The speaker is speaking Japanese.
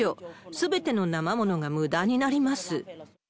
すべてのなま物がむだになります。